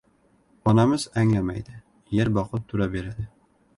Onamiz anglamaydi — yer boqib tura beradi.